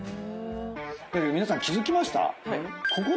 皆さん気付きました？